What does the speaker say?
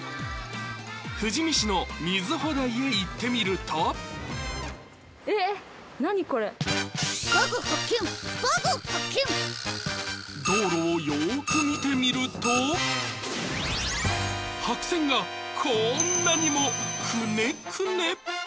富士見市のみずほ台駅へ行ってみると道路をよく見てみると白線が、こんなにもクネクネ！